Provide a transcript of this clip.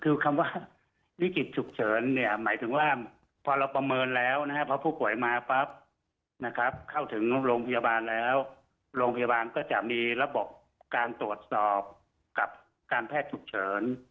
คือคำว่าวิกฤตฉุกเฉินเนี่ยหมายถึงว่าพอเราประเมินแล้วนะครับเพราะผู้ป่วยมาปั๊บนะครับเข้าถึงโรงพยาบาลแล้วโรงพยาบาลก็จะมีระบบการตรวจสอบกับการแพทย์ฉุกเฉิน